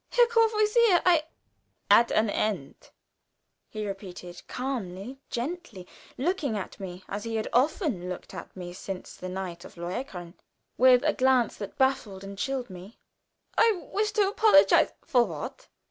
"Herr Courvoisier, I " "At an end," he repeated, calmly, gently, looking at me as he had often looked at me since the night of "Lohengrin," with a glance that baffled and chilled me. "I wish to apologize " "For what?"